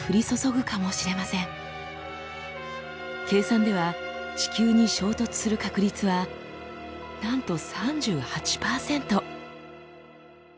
計算では地球に衝突する確率はなんと３８％。